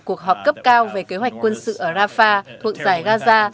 cuộc họp cấp cao về kế hoạch quân sự ở rafah thuộc giải gaza